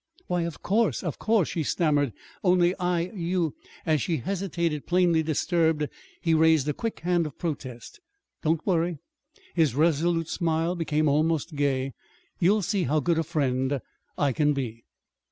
"Why, of course, of course," she stammered. "Only, I you " As she hesitated, plainly disturbed, he raised a quick hand of protest. "Don't worry." His resolute smile became almost gay. "You'll see how good a friend I can be!"